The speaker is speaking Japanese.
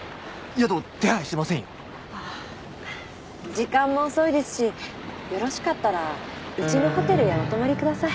時間も遅いですしよろしかったらうちのホテルへお泊まりください。